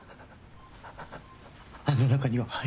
あの中には入るな。